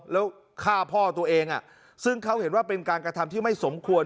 แล้วฆ่าพ่อตัวเองซึ่งเขาเห็นว่าเป็นการกระทำที่ไม่สมควร